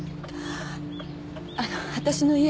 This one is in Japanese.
あの私の家